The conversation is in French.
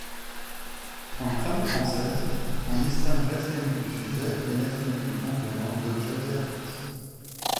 En grammaire française, on distingue l'attribut du sujet et l'attribut du complément d'objet direct.